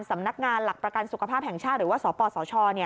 สำนักงานหลักประกันสุขภาพแห่งชาติหรือว่าสปสช